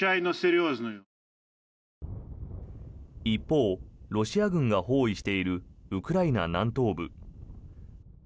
一方、ロシア軍が包囲しているウクライナ南東部。